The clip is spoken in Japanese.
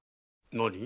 なに？